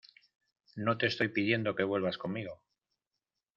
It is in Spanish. no te estoy pidiendo que vuelvas conmigo